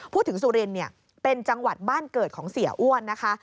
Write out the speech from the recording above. สุรินเป็นจังหวัดบ้านเกิดของเสียอ้วนนะคะ